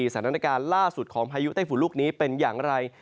สถานการณ์ล่าสุดของพายุไต้ฝุ่นลูกนี้เป็นอย่างไร